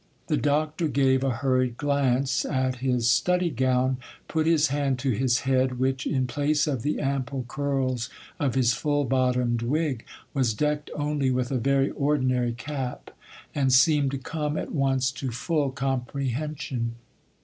The Doctor gave a hurried glance at his study gown, put his hand to his head, which, in place of the ample curls of his full bottomed wig, was decked only with a very ordinary cap, and seemed to come at once to full comprehension.